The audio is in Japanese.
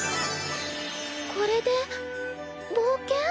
これで冒険？